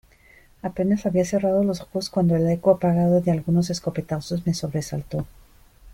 apenas había cerrado los ojos cuando el eco apagado de algunos escopetazos me sobresaltó: